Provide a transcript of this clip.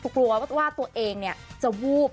กลัวว่าตัวเองเนี่ยจะวูบ